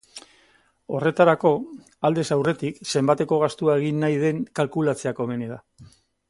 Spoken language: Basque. Horretarako, aldez aurretik zenbateko gastua egin nahi den kalkulatzea komeni da.